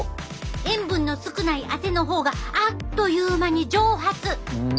塩分の少ない汗のほうがあっという間に蒸発！